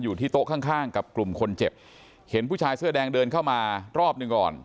อยู่ที่โต๊ะข้างข้างกับกลุ่มคนเจ็บเห็นผู้ชายเสื้อแดงเดินเข้ามารอบหนึ่งก่อน